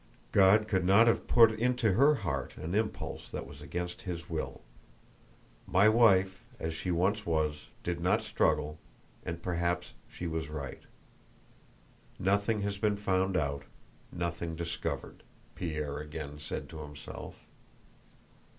"God could not have put into her heart an impulse that was against His will. My wife—as she once was—did not struggle, and perhaps she was right. Nothing has been found out, nothing discovered," Pierre again said to himself.